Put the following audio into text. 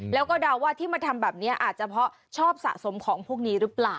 แล้วก็เดาว่าที่มาทำแบบนี้อาจจะเพราะชอบสะสมของพวกนี้หรือเปล่า